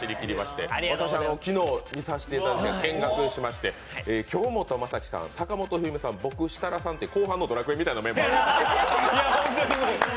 私昨日見させていただいて見学しまして、京本政樹さん、坂本冬美さん、僕、設楽さんって後半の「ドラクエ」みたいなメンバーで。